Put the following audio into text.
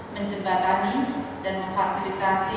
menjembatani dan memfasilitasi